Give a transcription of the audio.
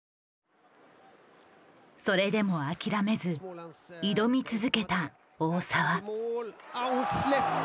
それでも諦めず挑み続けた大澤。